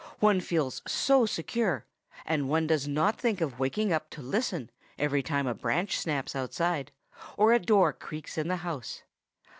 one feels so secure; and one does not think of waking up to listen, every time a branch snaps outside, or a door creaks in the house.